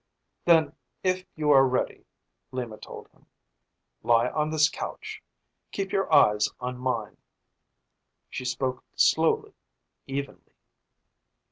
"Then, if you are ready," Lima told him, "lie on this couch. Keep your eyes on mine." She spoke slowly, evenly.